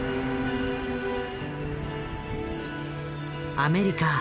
アメリカ